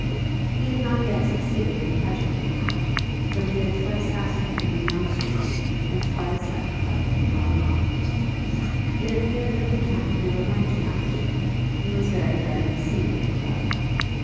He had not yet succeeded in catching the count, though he had twice asked for him in Mount Street and twice at the club in Pall Mall. It appeared that the count never went to Mount Street, and was very rarely seen at the club.